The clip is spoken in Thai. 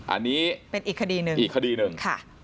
อันนี้เป็นอีกคดีหนึ่ง